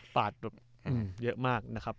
ปาดแบบเยอะมากนะครับ